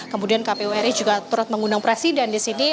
kemudian kpu ri juga turut mengundang presiden di sini